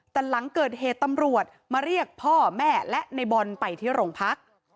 แต่หลังเกิดเหตุตำรวจมาเรียกพ่อแม่และในบอลไปที่โรงพัก